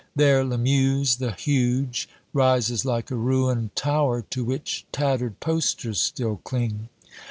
There, Lamuse the Huge rises like a ruined tower to which tattered posters still cling.